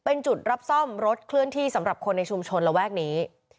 เป็นจุดรับซ่อมรถเคลื่อนที่สำหรับคนในชุมชนระแวกนี้